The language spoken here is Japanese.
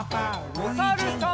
おさるさん。